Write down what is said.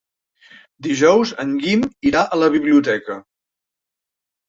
Dijous en Guim irà a la biblioteca.